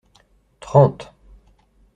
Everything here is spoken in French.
Trente.